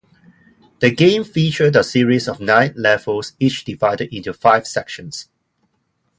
The game featured a series of nine levels, each divided into five sections.